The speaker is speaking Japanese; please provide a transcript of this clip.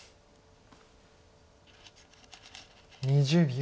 ２０秒。